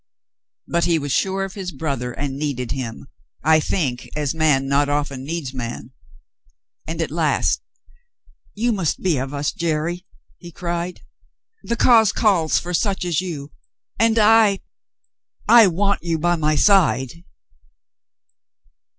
But he was sure of his brother, and needed him, I think, as man not often needs man. And at last : "You must be of us, Jerry!" he cried. "The cause calls for such as you. And I — I want you by my side."